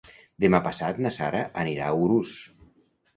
Demà passat na Sara anirà a Urús.